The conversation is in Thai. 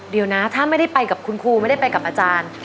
เดี๋ยวนะถ้าไม่ได้ไปกับคุณครูไม่ได้ไปกับอาจารย์